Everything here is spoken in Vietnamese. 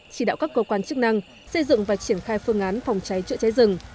chỉ đạo các cơ quan chức năng xây dựng và triển khai phương án phòng cháy chữa cháy rừng